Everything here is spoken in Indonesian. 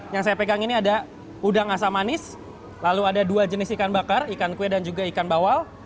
yang saya pegang ini ada udang asam manis lalu ada dua jenis ikan bakar ikan kue dan juga ikan bawal